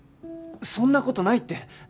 そんな事ないって。